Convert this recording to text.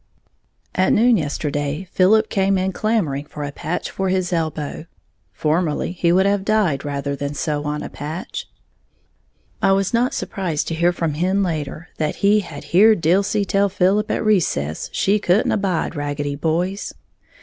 _ At noon yesterday Philip came in clamoring for a patch for his elbow, formerly he would have died rather than sew on a patch. I was not surprised to hear from Hen later that he "had heared Dilsey tell Philip at recess she couldn't abide raggeddy boys".